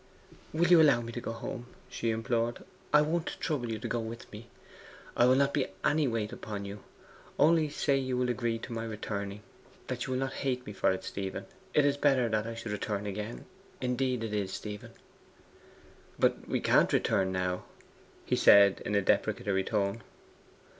'Will you allow me to go home?' she implored. 'I won't trouble you to go with me. I will not be any weight upon you; only say you will agree to my returning; that you will not hate me for it, Stephen! It is better that I should return again; indeed it is, Stephen.' 'But we can't return now,' he said in a deprecatory tone.